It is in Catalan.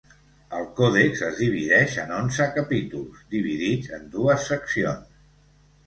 El Còdex es divideix en onze capítols, dividits en dues seccions.